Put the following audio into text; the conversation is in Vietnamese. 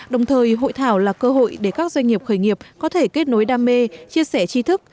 đồng thời hội thảo là cơ hội để các doanh nghiệp khởi nghiệp có thể kết nối đam mê chia sẻ chi thức